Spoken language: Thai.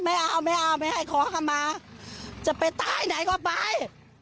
ไม่เอาไม่เอาไม่ให้ขอคำมาจะไปตายไหนก็ไป